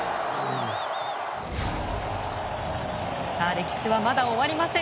さあ、歴史はまだ終わりません。